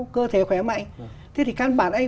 cơ thể khỏe mạnh thế thì căn bản ấy